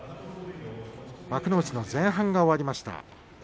幕内の前半が終わりました。